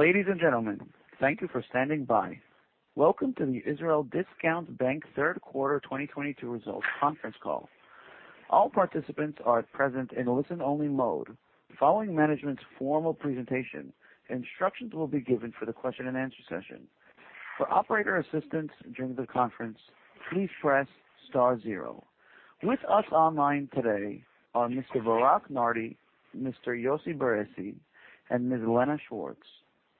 Ladies and gentlemen, thank you for standing by. Welcome to the Israel Discount Bank third quarter 2022 results conference call. All participants are at present in a listen-only mode. Following management's formal presentation, instructions will be given for the question and answer session. For operator assistance during the conference, please press star zero. With us online today are Mr. Barak Nardi, Mr. Yossi Bar-Sidi, and Ms. Lena Schwarz.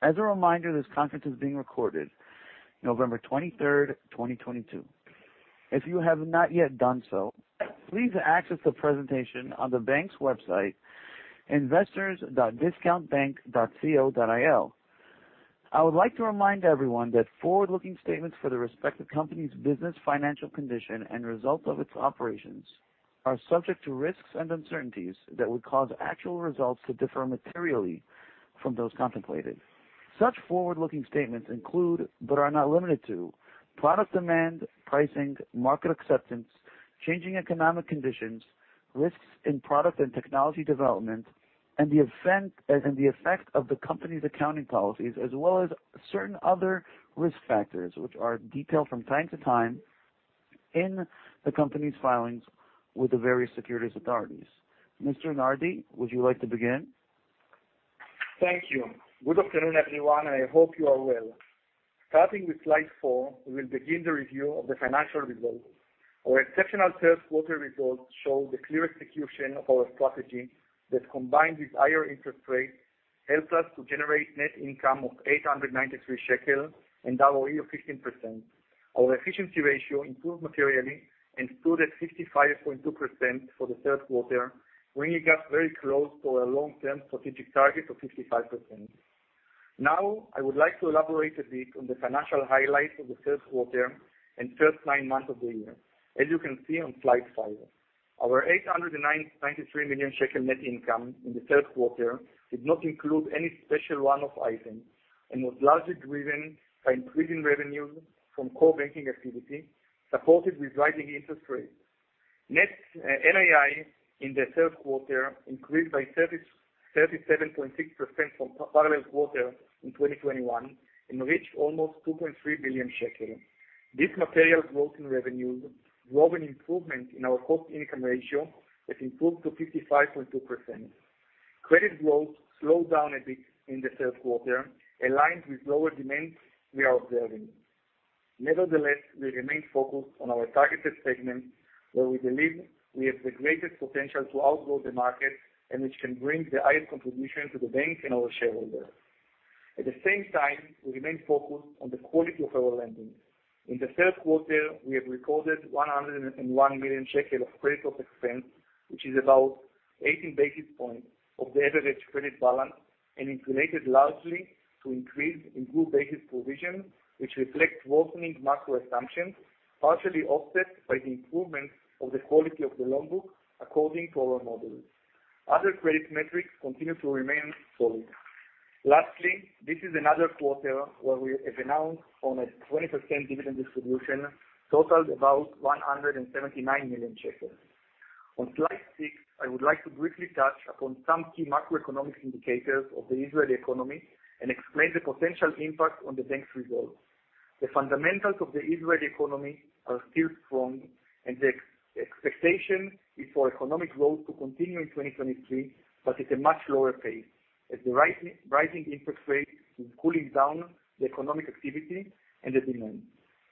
As a reminder, this conference is being recorded November 23, 2022. If you have not yet done so, please access the presentation on the bank's website investors.discountbank.co.il. I would like to remind everyone that forward-looking statements for the respective company's business, financial condition and results of its operations are subject to risks and uncertainties that would cause actual results to differ materially from those contemplated. Such forward-looking statements include, but are not limited to, product demand, pricing, market acceptance, changing economic conditions, risks in product and technology development, and the effect of the company's accounting policies, as well as certain other risk factors which are detailed from time to time in the company's filings with the various securities authorities. Mr. Nardi, would you like to begin? Thank you. Good afternoon, everyone, and I hope you are well. Starting with slide four, we will begin the review of the financial results. Our exceptional third quarter results show the clear execution of our strategy that combined with higher interest rates helped us to generate net income of 893 shekel and ROE of 15%. Our efficiency ratio improved materially and stood at 55.2% for the third quarter, bringing us very close to our long-term strategic target of 55%. Now, I would like to elaborate a bit on the financial highlights of the third quarter and first nine months of the year as you can see on slide five. Our 809.3 million shekel net income in the third quarter did not include any special one-off items and was largely driven by increasing revenues from core banking activity, supported with rising interest rates. Net NII in the third quarter increased by 37.6% from parallel quarter in 2021 and reached almost 2.3 billion shekels. This material growth in revenue drove an improvement in our Cost-to-Income Ratio that improved to 55.2%. Credit growth slowed down a bit in the third quarter, aligned with lower demand we are observing. Nevertheless, we remain focused on our targeted segments, where we believe we have the greatest potential to outgrow the market and which can bring the highest contribution to the bank and our shareholders. At the same time, we remain focused on the quality of our lending. In the third quarter, we have recorded 101 million shekel of credit loss expense, which is about 80 basis points of the average credit balance and is related largely to increase in group-based provision, which reflects worsening macro assumptions, partially offset by the improvement of the quality of the loan book according to our models. Other credit metrics continue to remain solid. Lastly, this is another quarter where we have announced on a 20% dividend distribution, totaled about 179 million shekel. On slide six, I would like to briefly touch upon some key macroeconomic indicators of the Israeli economy and explain the potential impact on the bank's results. The fundamentals of the Israeli economy are still strong. The expectation is for economic growth to continue in 2023, at a much lower pace, as the rising interest rate is cooling down the economic activity and the demand.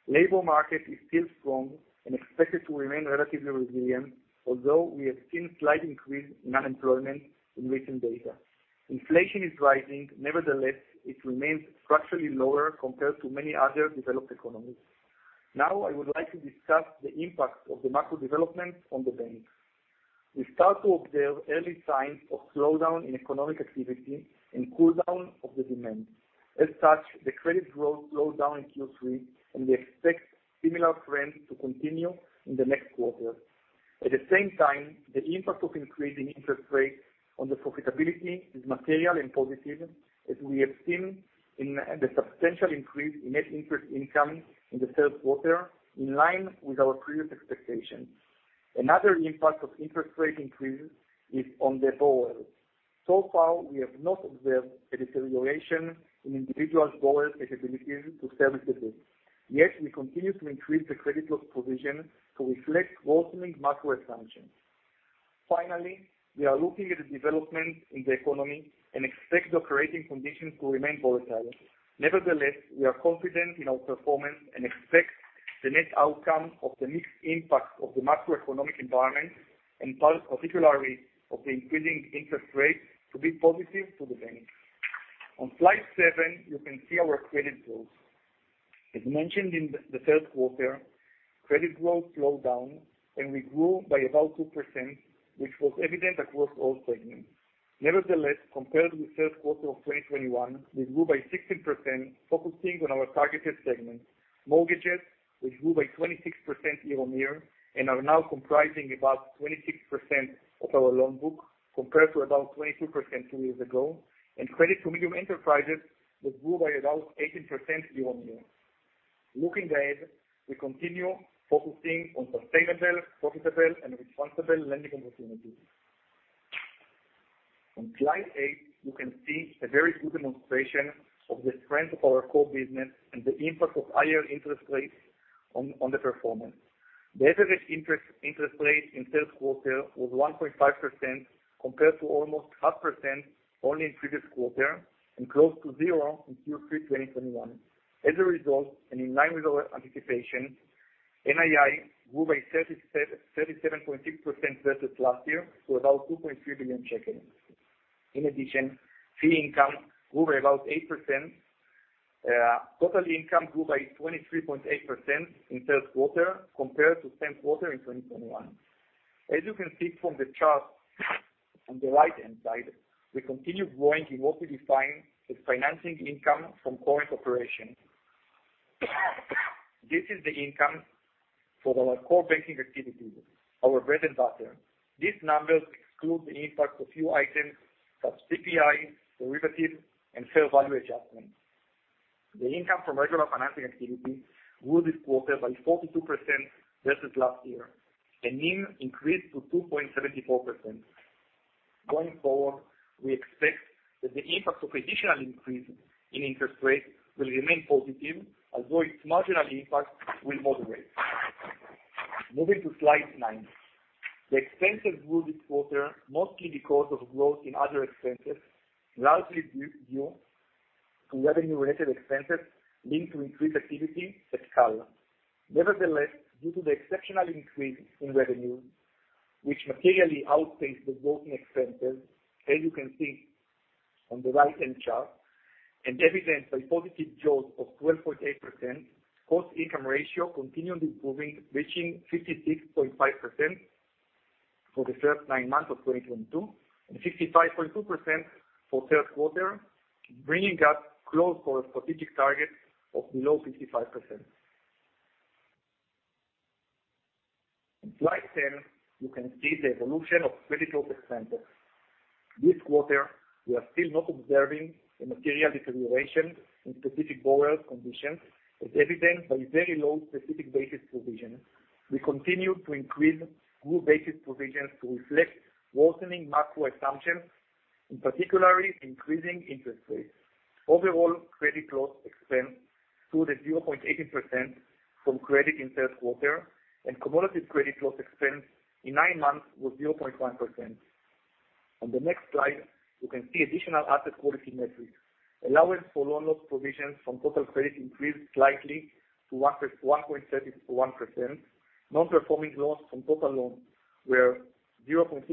Labor market is still strong and expected to remain relatively resilient, although we have seen slight increase in unemployment in recent data. Inflation is rising, nevertheless, it remains structurally lower compared to many other developed economies. I would like to discuss the impact of the macro developments on the bank. We start to observe early signs of slowdown in economic activity and cool down of the demand. As such, the credit growth slowed down in Q3. We expect similar trends to continue in the next quarter. At the same time, the impact of increasing interest rates on the profitability is material and positive, as we have seen in the substantial increase in Net Interest Income in the third quarter, in line with our previous expectations. Another impact of interest rate increase is on the borrowers. So far, we have not observed a deterioration in individual borrowers' capabilities to service the debt. Yet, we continue to increase the credit loss provision to reflect worsening macro assumptions. Finally, we are looking at the development in the economy and expect the operating conditions to remain volatile. Nevertheless, we are confident in our performance and expect the net outcome of the mixed impact of the macroeconomic environment, in part particularly of the increasing interest rates, to be positive for the bank. On slide seven, you can see our credit growth. As mentioned in the third quarter, credit growth slowed down. We grew by about 2%, which was evident across all segments. Nevertheless, compared with third quarter of 2021, we grew by 16% focusing on our targeted segments. Mortgages, which grew by 26% year-on-year and are now comprising about 26% of our loan book, compared to about 22% two years ago. Credit to medium enterprises, which grew by about 18% year-on-year. Looking ahead, we continue focusing on sustainable, profitable, and responsible lending opportunities. On slide eight, you can see a very good demonstration of the strength of our core business and the impact of higher interest rates on the performance. The average interest rate in third quarter was 1.5% compared to almost 0.5% only in previous quarter and close to 0 in Q3 2021. As a result, and in line with our anticipation, NII grew by 37.6% versus last year to about 2.3 billion shekels. In addition, fee income grew by about 8%. Total income grew by 23.8% in third quarter compared to same quarter in 2021. As you can see from the chart on the right-hand side, we continue growing in what we define as financing income from current operations. This is the income for our core banking activities, our bread and butter. These numbers exclude the impact of few items such CPI, derivative, and fair value adjustments. The income from regular financing activity grew this quarter by 42% versus last year, and NIM increased to 2.74%. Going forward, we expect that the impact of additional increase in interest rates will remain positive, although its marginal impact will moderate. Moving to slide nine. The expenses grew this quarter, mostly because of growth in other expenses, largely due to revenue-related expenses linked to increased activity at Cal. Nevertheless, due to the exceptional increase in revenue, which materially outpaced the growth in expenses, as you can see on the right-hand chart, and evidenced by positive jaws of 12.8%, cost income ratio continually improving, reaching 56.5% for the first nine months of 2022, and 55.2% for third quarter, bringing up close to our strategic target of below 55%. On slide 10, you can see the evolution of credit loss expenses. This quarter, we are still not observing a material deterioration in specific borrower conditions, as evidenced by very low specific basis provisions. We continue to increase group-based provisions to reflect worsening macro assumptions, in particular increasing interest rates. Overall, credit loss expense to the 0.18% from credit in third quarter and cumulative credit loss expense in nine months was 0.1%. On the next slide, you can see additional asset quality metrics. Allowance for loan loss provisions from total credit increased slightly to 1.31%. Non-performing loans from total loans were 0.67%,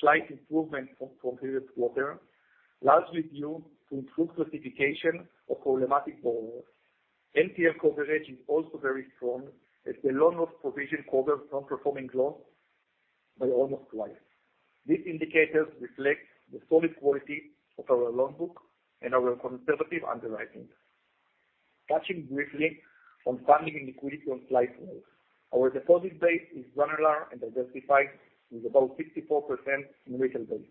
slight improvement from previous quarter, largely due to improved classification of problematic borrowers. NPL coverage is also very strong as the loan loss provision covers non-performing loans by almost twice. These indicators reflect the solid quality of our loan book and our conservative underwriting. Touching briefly on funding and liquidity on slide 12. Our deposit base is granular and diversified, with about 54% in retail banks,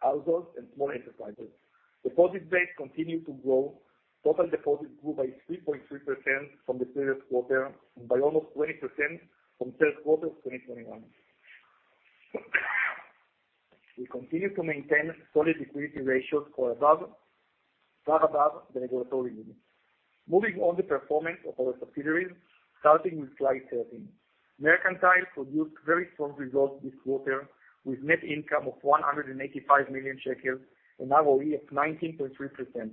households and small enterprises. Deposit base continue to grow. Total deposits grew by 3.3% from the previous quarter and by almost 20% from third quarter of 2021. We continue to maintain solid liquidity ratios or above, far above the regulatory limits. Moving on the performance of our subsidiaries, starting with slide 13. Mercantile produced very strong results this quarter, with net income of 185 million shekels and ROE of 19.3%.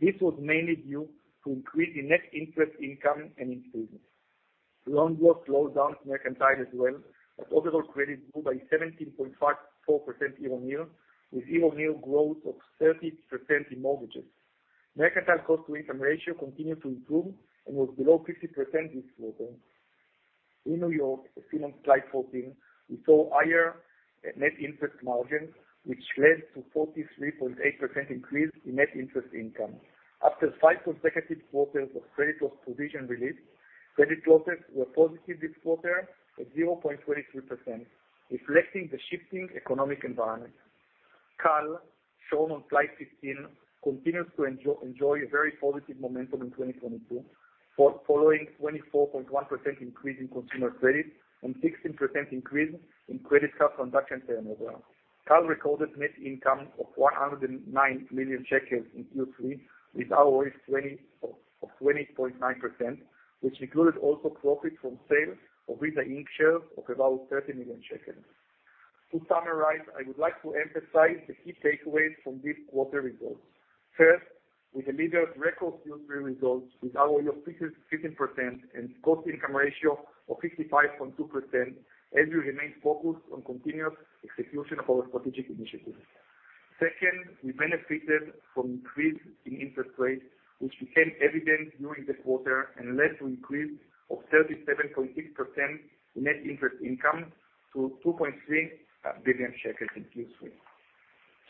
This was mainly due to increase in Net Interest Income and improvements. Loan growth slowed down Mercantile as well, but overall credit grew by 17.54% year-on-year, with year-on-year growth of 30% in mortgages. Mercantile Cost-to-Income Ratio continued to improve and was below 50% this quarter. In New York, seen on slide 14, we saw higher Net Interest Margin, which led to 43.8% increase in Net Interest Income. After five consecutive quarters of credit loss provision release, credit losses were positive this quarter at 0.23%, reflecting the shifting economic environment. Cal, shown on slide 15, continues to enjoy a very positive momentum in 2022, following 24.1% increase in consumer credit and 16% increase in credit card transaction turnover. Cal recorded net income of 109 million shekels in Q3, with ROE of 20.9%, which included also profit from sales of Visa Inc. shares of about 30 million shekels. To summarize, I would like to emphasize the key takeaways from this quarter results. First, we delivered record Q3 results with ROE of 15% and Cost-to-Income Ratio of 65.2%, as we remain focused on continuous execution of our strategic initiatives. Second, we benefited from increase in interest rates, which became evident during the quarter and led to increase of 37.6% Net Interest Income to 2.3 billion shekels in Q3.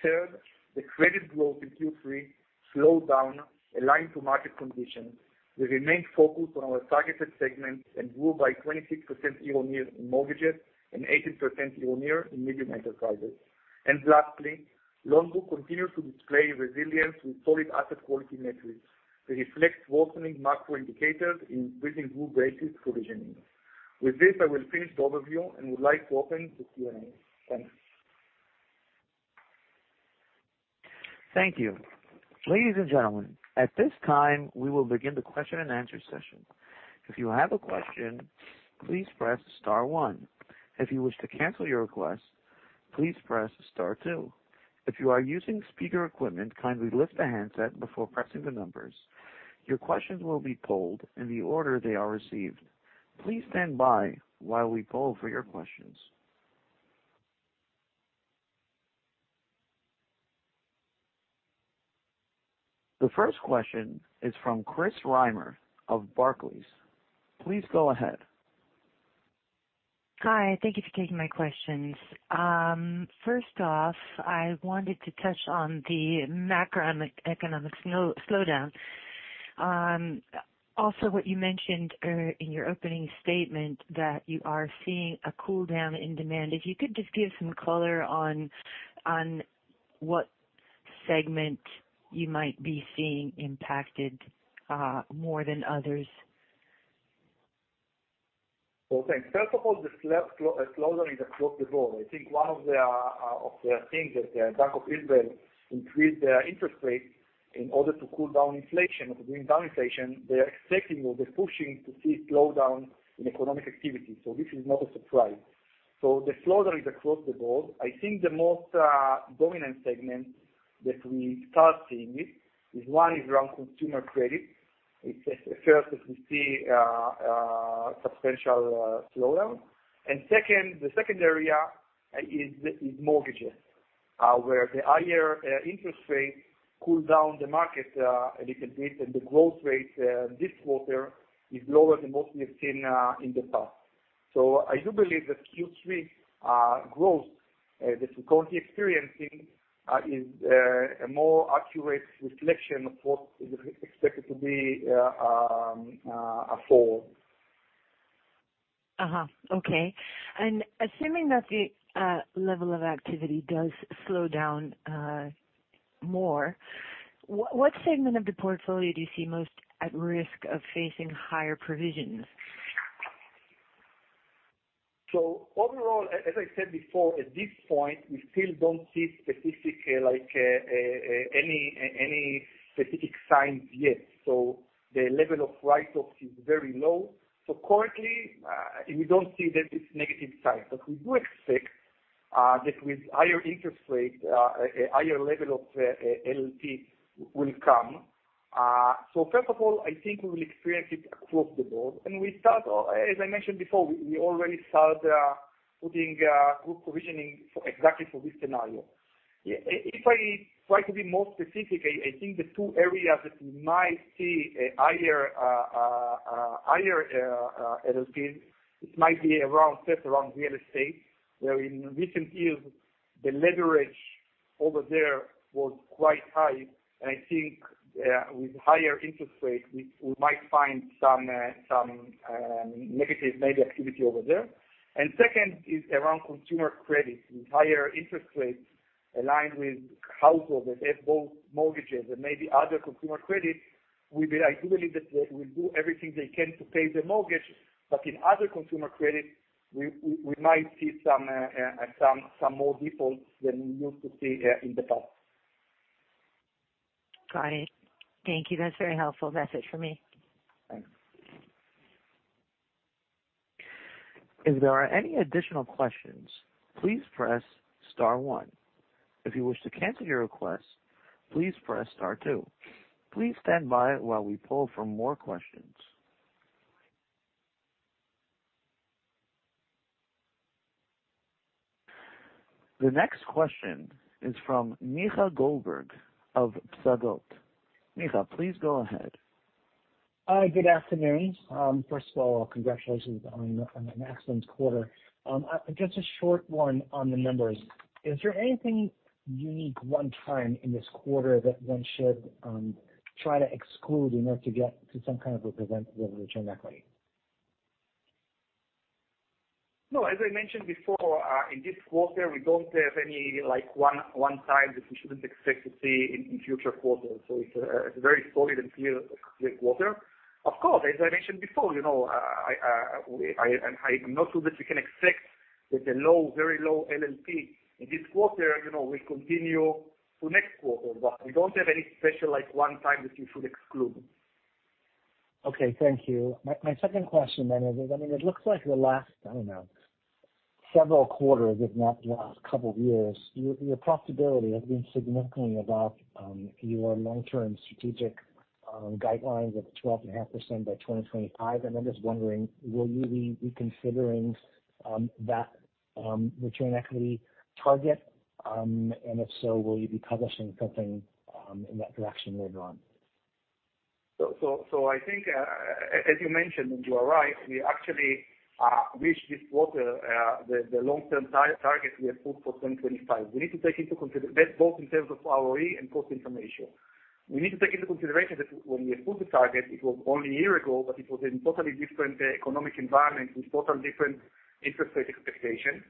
Third, the credit growth in Q3 slowed down aligned to market conditions. We remained focused on our targeted segments and grew by 26% year-on-year in mortgages and 18% year-on-year in medium enterprises. Lastly, loan book continues to display resilience with solid asset quality metrics that reflects worsening macro indicators in building group rates provisioning. With this, I will finish the overview and would like to open to Q&A. Thanks. Thank you. Ladies and gentlemen, at this time, we will begin the question and answer session. If you have a question, please press star one. If you wish to cancel your request, please press star two. If you are using speaker equipment, kindly lift the handset before pressing the numbers. Your questions will be polled in the order they are received. Please stand by while we poll for your questions. The first question is from Chris Reimer of Barclays. Please go ahead. Hi. Thank you for taking my questions. First off, I wanted to touch on the macroeconomic slowdown. What you mentioned in your opening statement that you are seeing a cooldown in demand. If you could just give some color on what segment you might be seeing impacted, more than others. Well, thanks. First of all, the slowdown is across the board. I think one of the things that the Bank of Israel increased their interest rates in order to cool down inflation, to bring down inflation, they are expecting or they're pushing to see a slowdown in economic activity. This is not a surprise. The slowdown is across the board. I think the most dominant segment that we start seeing it is one is around consumer credit. It's first that we see substantial slowdown. Second, the second area is mortgages, where the higher interest rates cool down the market a little bit, and the growth rate this quarter is lower than what we've seen in the past. I do believe that Q3 growth difficulty experiencing is a more accurate reflection of what is expected to be fall. Okay. Assuming that the level of activity does slow down more, what segment of the portfolio do you see most at risk of facing higher provisions? Overall, as I said before, at this point, we still don't see specific, any specific signs yet. The level of write-off is very low. Currently, we don't see that it's negative signs. We do expect that with higher interest rates, a higher level of LLP will come. First of all, I think we will experience it across the board. We start, as I mentioned before, we already start putting group provisioning for exactly for this scenario. If I try to be more specific, I think the two areas that we might see a higher LLPs, it might be set around real estate, where in recent years, the leverage over there was quite high. I think, with higher interest rates, we might find some negative maybe activity over there. Second is around consumer credit. With higher interest rates aligned with household that have both mortgages and maybe other consumer credit, I do believe that they will do everything they can to pay their mortgage, but in other consumer credit, we might see some more defaults than we used to see in the past. Got it. Thank you. That's very helpful. That's it for me. Thanks. If there are any additional questions, please press star one. If you wish to cancel your request, please press star two. Please stand by while we poll for more questions. The next question is from Micha Goldberg of Psagot. Micha, please go ahead. Hi, good afternoon. First of all, congratulations on an excellent quarter. Just a short one on the numbers. Is there anything unique one time in this quarter that one should try to exclude in order to get to some kind of representative return equity? As I mentioned before, in this quarter, we don't have any, like, one time that we shouldn't expect to see in future quarters. It's a very solid and clear quarter. Of course, as I mentioned before, you know, I'm not sure that we can expect that the low, very low LLP in this quarter, you know, will continue to next quarter. We don't have any special, like, one time that we should exclude. Okay. Thank you. My, my second question then is, I mean, it looks like the last, I don't know, several quarters, if not the last couple of years, your profitability has been significantly above your long-term strategic guidelines of 12.5% by 2025. I'm just wondering, will you be reconsidering that return equity target? If so, will you be publishing something in that direction later on? I think, as you mentioned, and you are right, we actually reached this quarter, the long-term target we have put for 2025. That's both in terms of ROE and cost information. We need to take into consideration that when we put the target, it was only a year ago, but it was in total different economic environment, in total different interest rate expectation.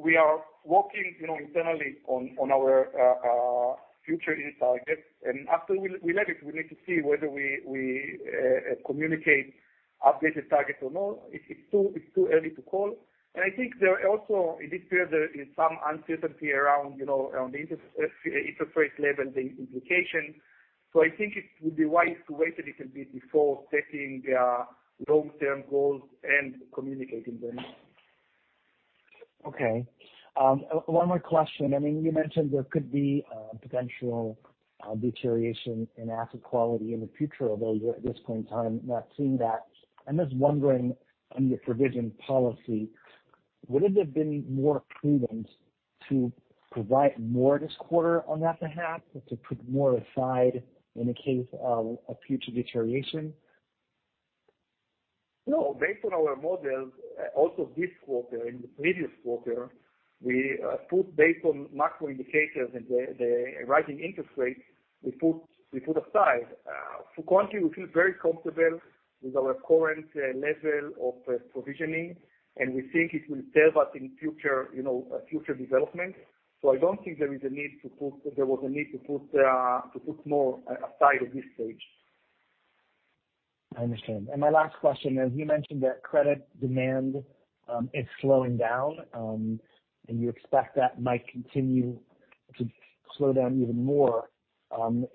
We are working, you know, internally on our future in target. After we let it, we need to see whether we communicate updated targets or not. It's too early to call. I think there are also, in this period, there is some uncertainty around, you know, around the interest rate level, the implication. I think it would be wise to wait a little bit before setting, long-term goals and communicating them. Okay. One more question. I mean, you mentioned there could be potential deterioration in asset quality in the future, although you're, at this point in time, not seeing that. I'm just wondering, under provision policy, would it have been more prudent to provide more this quarter on that behalf to put more aside in the case of a future deterioration? Based on our models, also this quarter, in the previous quarter, we put based on macro indicators and the rising interest rates, we put aside. For country, we feel very comfortable with our current level of provisioning, and we think it will serve us in future, you know, future development. I don't think there was a need to put more aside at this stage. I understand. My last question is, you mentioned that credit demand is slowing down, and you expect that might continue to slow down even more.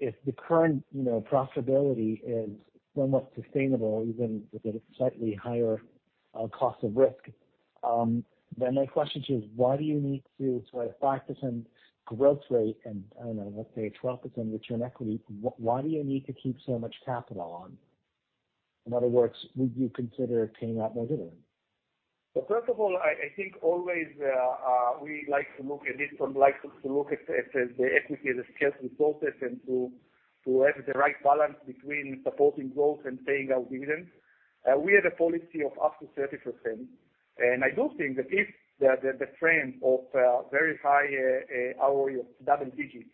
If the current, you know, profitability is somewhat sustainable even with a slightly higher cost of risk, then my question to you is why do you need to sort of practice in growth rate and, I don't know, let's say 12% return equity, why do you need to keep so much capital on? In other words, would you consider paying out more dividend? First of all, I think always, we like to look at the equity as a scarce resources and to have the right balance between supporting growth and paying our dividend. We have a policy of up to 30%, and I do think that if the trend of very high ROE of double-digits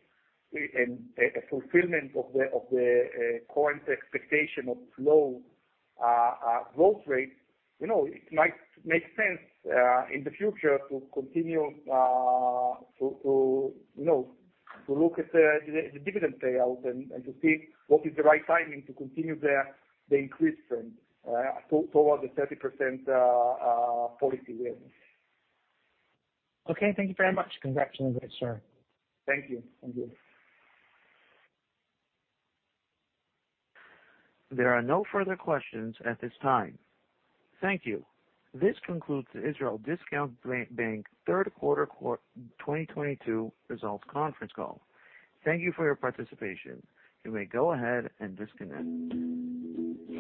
and a fulfillment of the current expectation of low-growth rate, you know, it might make sense in the future to continue to, you know, to look at the dividend payout and to see what is the right timing to continue the increase trend toward the 30% policy we have. Okay. Thank you very much. Congratulations. Thank you. Thank you. There are no further questions at this time. Thank you. This concludes the Israel Discount Bank third quarter 2022 results conference call. Thank you for your participation. You may go ahead and disconnect.